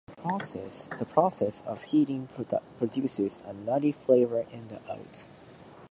The process of heating produces a nutty flavour in the oats.